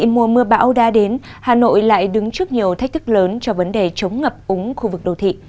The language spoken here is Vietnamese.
mùa mưa bão đã đến hà nội lại đứng trước nhiều thách thức lớn cho vấn đề chống ngập úng khu vực đô thị